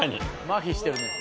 まひしてるね。